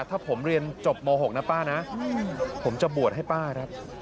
ถ้าผมเรียนจบม๖นะป้านะผมจะบวชให้ป้าครับ